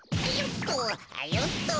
よっと！